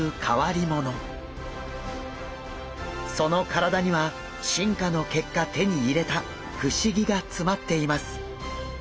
その体には進化の結果手に入れた不思議が詰まっています。